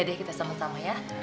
deh kita sama sama ya